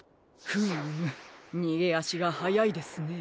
フームにげあしがはやいですね。